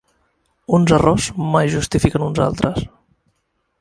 Uns errors mai justifiquen uns altres.